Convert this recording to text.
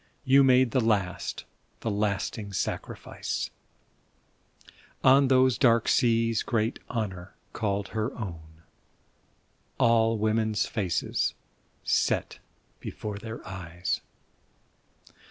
You made the last, the lasting sacrifice ! On those dark seas great Honor called her own, All women's faces set before their eyes!